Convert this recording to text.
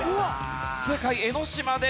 正解江の島です。